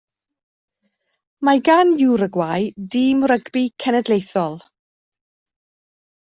Mae gan Uruguay dîm rygbi cenedlaethol.